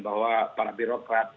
bahwa para birokrat